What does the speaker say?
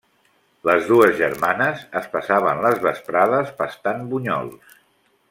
Les dues germanes es passaven les vesprades pastant bunyols.